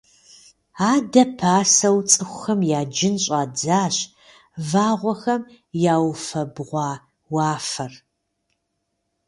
Адэ пасэу цӏыхухэм яджын щӏадзащ вагъуэхэм яуфэбгъуа уафэр.